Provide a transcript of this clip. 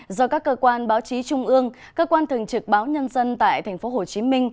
do các cơ quan báo chí trung ương cơ quan thường trực báo nhân dân tại tp hcm